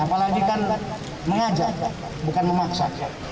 apalagi kan mengajak bukan memaksa